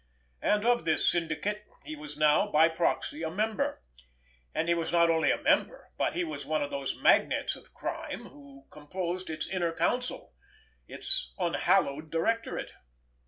And of this syndicate he was now, by proxy, a member; and he was not only a member, but he was one of those magnates of crime who composed its inner council, its unhallowed directorate.